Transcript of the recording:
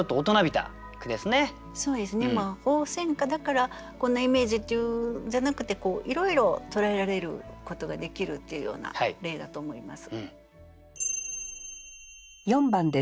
鳳仙花だからこんなイメージっていうんじゃなくていろいろ捉えられることができるっていうような例だと思います。